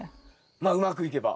まあうまくいけば。